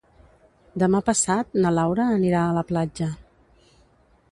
Demà passat na Laura anirà a la platja.